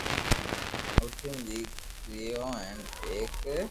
او ِٺین نیڪریو ھین ایڪ